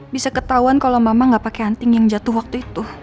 bisa ketauan kalau mama gak pake anting yang jatuh waktu itu